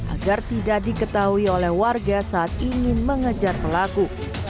agar tidak diketahui oleh warga saat ingin mengejar pelaku